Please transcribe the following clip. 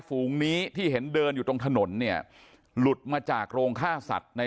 ฝูงนี้ที่เห็นเดินอยู่ตรงถนนเนี่ยหลุดมาจากโรงฆ่าสัตว์ใน